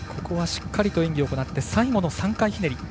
しっかりと演技を行って最後の３回ひねり。